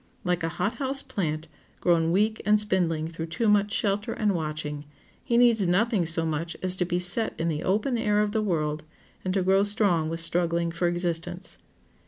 Like a hot house plant, grown weak and spindling through too much shelter and watching, he needs nothing so much as to be set in the open air of the world, and to grow strong with struggling for existence.